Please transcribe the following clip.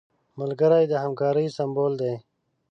ملګری د همکارۍ سمبول دی